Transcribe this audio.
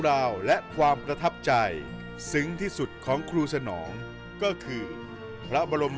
ราวและความประทับใจซึ้งที่สุดของครูสนองก็คือพระบรม